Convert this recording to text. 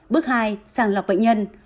bước hai sàng lọc bệnh nhân